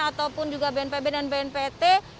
ataupun juga bnpb dan bnpt